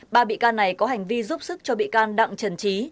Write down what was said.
ba bị can này có hành vi giúp sức cho bị can đặng trần trí